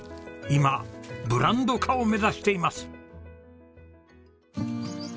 今ブランド化を目指しています。